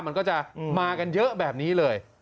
มันก็จะมากันเยอะแบบนี้เลย